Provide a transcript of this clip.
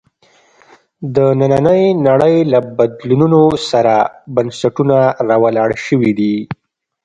د نننۍ نړۍ له بدلونونو سره بنسټونه راولاړ شوي دي.